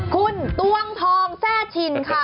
คุณตวงทองแทร่ชินค่ะ